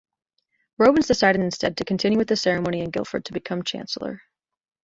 Robens decided instead to continue with the ceremony in Guildford to become Chancellor.